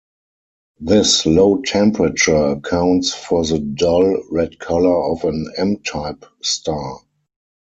This low temperature accounts for the dull red color of an M-type star.